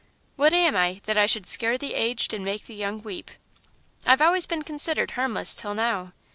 "What am I, that I should scare the aged and make the young weep? I've always been considered harmless, till now.